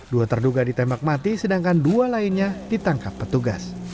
dua terduga ditembak mati sedangkan dua lainnya ditangkap petugas